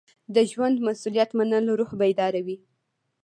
د ژوند مسؤلیت منل روح بیداروي.